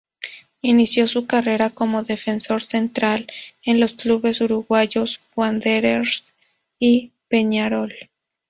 Inició su carrera como defensor central en los clubes uruguayos Wanderers y Peñarol.